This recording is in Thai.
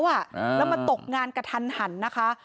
แล้วมาตกงานกระทันหันนะคะ